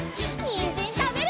にんじんたべるよ！